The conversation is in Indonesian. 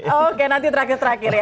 oke nanti terakhir terakhir ya